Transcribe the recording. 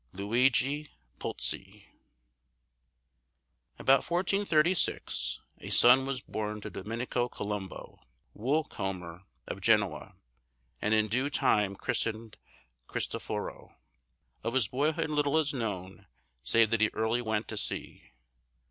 LUIGI PULCI. About 1436 a son was born to Dominico Colombo, wool comber, of Genoa, and in due time christened Cristoforo. Of his boyhood little is known save that he early went to sea.